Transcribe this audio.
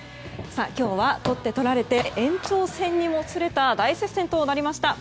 今日は取って取られて延長戦にもつれた大接戦となりました。